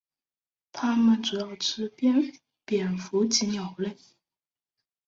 它们主要吃蝙蝠及鸟类。